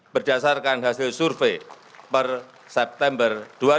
berdasarkan hasil survei per september dua ribu dua puluh